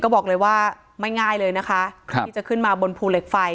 บอกเลยว่าไม่ง่ายเลยนะคะที่จะขึ้นมาบนภูเหล็กไฟ